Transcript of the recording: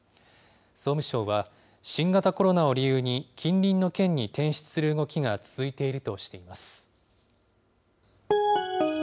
総務省は、新型コロナを理由に、近隣の県に転出する動きが続いているとしています。